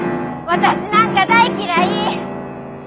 私なんか大嫌い！